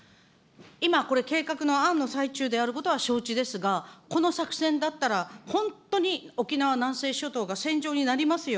今、これ、計画の案の最中であることは承知ですが、この作戦だったら、本当に沖縄南西諸島が戦場になりますよ。